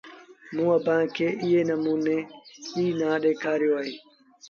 موٚنٚ اڀآنٚ کي ايٚ نموݩو ايٚئي لآ ڏيکآريو اهي